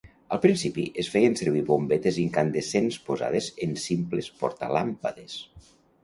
Al principi, es feien servir bombetes incandescents posades en simples portalàmpades.